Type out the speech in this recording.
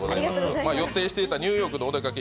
予定していたニューヨークのお出かけ